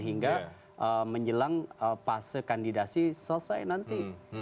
hingga menjelang fase kandidasi selesai nanti